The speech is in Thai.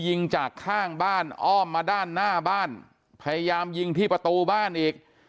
ยิงจากข้างบ้านอ้อมมาด้านหน้าบ้านพยายามยิงที่ประตูบ้านอีก